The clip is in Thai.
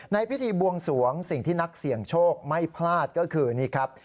ในพิธีบวงสวงสิ่งที่นักเสี่ยงโชคไม่พลาดก็คือนี่ครับ